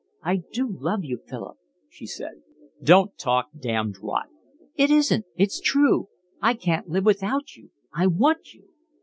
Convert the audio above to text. "I do love you, Philip," she said. "Don't talk damned rot." "It isn't, it's true. I can't live without you. I want you."